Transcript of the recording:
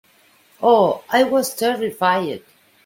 Oh, I was terrified!